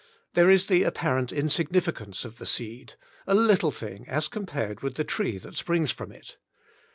There is the apparent insignificance of the seed — a little thing as compared with the tree that springs from it.